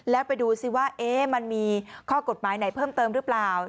แล้วไปดูสิว่ามันมีข้อกฎหมายไหนเพิ่มเติมหรือเปล่า